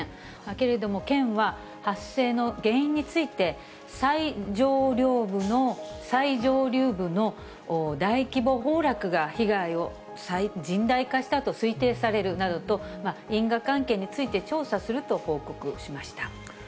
けれども、県は発生の原因について、最上流部の大規模崩落が被害を甚大化したと推定されるなどと、因果関係について調査すると報告しました。